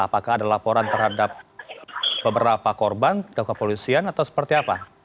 apakah ada laporan terhadap beberapa korban ke kepolisian atau seperti apa